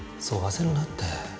そう焦るなって。